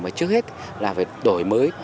mà trước hết là phải đổi mới